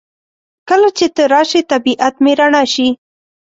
کله چې ته راشې طبیعت مې رڼا شي.